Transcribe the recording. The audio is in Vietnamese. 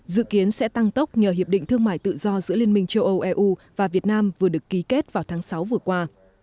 dự kiến sẽ tăng tốc nhờ hiệp định thương mại tự do giữa liên minh châu âu eu và việt nam vừa được ký kết vào tháng sáu vừa qua